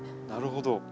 なるほど。